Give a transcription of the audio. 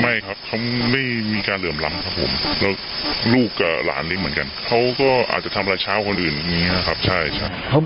ไม่ครับเขาไม่มีการเหลื่อมล้ำครับผมแล้วลูกกับหลานนี้เหมือนกันเขาก็อาจจะทำละเช้าคนอื่นอย่างนี้ครับใช่